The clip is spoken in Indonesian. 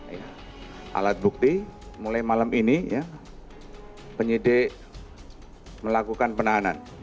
alat bukti mulai malam ini penyidik melakukan penahanan